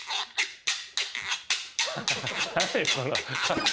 何この。